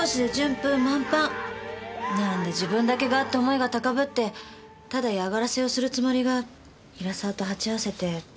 「なんで自分だけが」って思いが高ぶってただ嫌がらせをするつもりが比良沢と鉢合わせて。